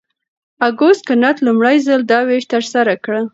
اګوست کنت لومړی ځل دا ویش ترسره کړ.